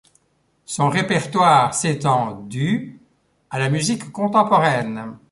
Son répertoire s'étend du à la musique contemporaine.